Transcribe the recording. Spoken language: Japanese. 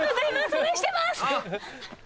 応援してます！